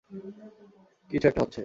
কিছু একটা হচ্ছে!